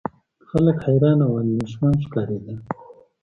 خلک حیران او اندېښمن ښکارېدل.